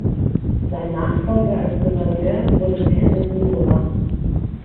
Sein Nachfolger als Gouverneur wurde Pendleton Murrah.